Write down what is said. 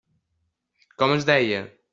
Com es deia?